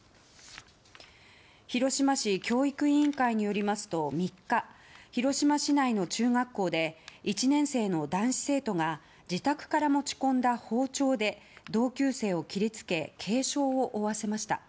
広島市教育委員会によりますと３日、広島市内の中学校で１年生の男子生徒が自宅から持ち込んだ包丁で同級生を切り付け軽傷を負わせました。